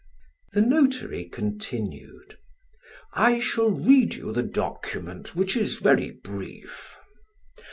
The notary continued: "I shall read you the document which is very brief."